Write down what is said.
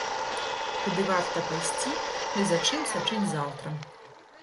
Куды варта пайсці ды за чым сачыць заўтра.